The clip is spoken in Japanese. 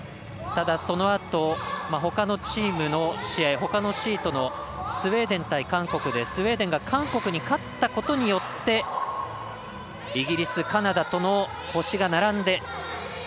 ただ、そのあとほかのチームの試合ほかのシートのスウェーデン対韓国でスウェーデンが韓国に勝ったことによってイギリス、カナダとの星が並んで。